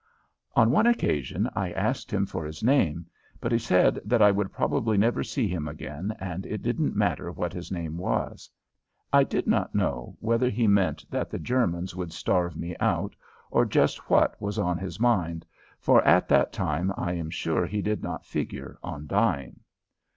On one occasion I asked him for his name, but he said that I would probably never see him again and it didn't matter what his name was. I did not know whether he meant that the Germans would starve me out or just what was on his mind, for at that time I am sure he did not figure on dying.